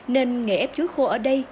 nên nghề ép chuối khô ở đây